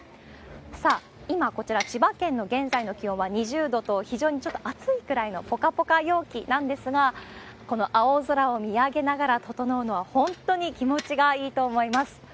さあ、今こちら千葉県の現在の気温は２０度と、非常にちょっと暑いくらいのぽかぽか陽気なんですが、この青空を見上げながらととのうのは本当に気持ちがいいと思います。